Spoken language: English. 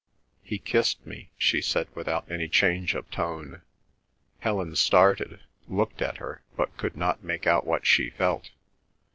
"He kissed me," she said without any change of tone. Helen started, looked at her, but could not make out what she felt.